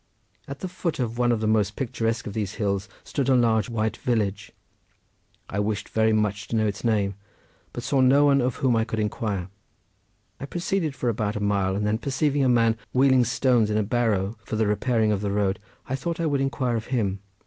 At the foot of one of the most picturesque of these hills stood a large white village. I wished very much to know its name, but saw no one of whom I could inquire. I proceeded for about a mile, and then perceiving a man wheeling stones in a barrow for the repairing of the road, I thought I would inquire of him.